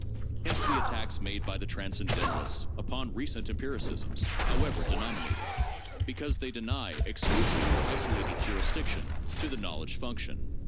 Hence the attacks made by the transeendentalists upon recent empiricisms (however denominated), because they deny ex clusive or isolated jurisdiction to the knowledge function.